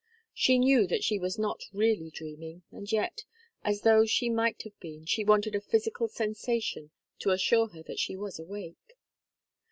She knew that she was not really dreaming, and yet, as though she might have been, she wanted a physical sensation to assure her that she was awake.